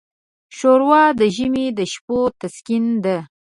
ښوروا د ژمي د شپو تسکین ده.